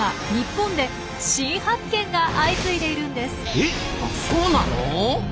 えそうなの！？